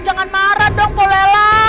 jangan marah dong polela